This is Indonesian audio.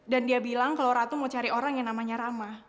dan dia bilang kalau ratu mau cari orang yang namanya rama